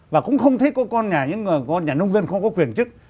và cũng không thấy có con nhà những con nhà nông dân không có quyền chức